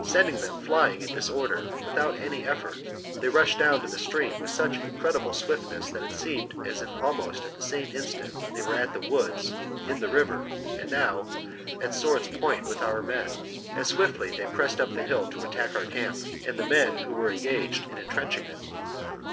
Sending them flying in disorder without an effort, they rushed down to the stream with such incredible swiftness that it seemed as if almost at the same instant they were at the woods, in the river, and now at sword's point with our men. As swiftly they pressed up the hill to attack our camp and the men who were engaged in entrenching it.